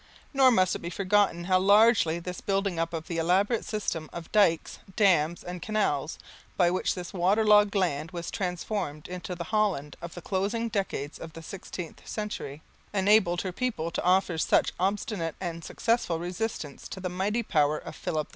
Nor must it be forgotten how largely this building up of the elaborate system of dykes, dams and canals by which this water logged land was transformed into the Holland of the closing decades of the sixteenth century, enabled her people to offer such obstinate and successful resistance to the mighty power of Philip II.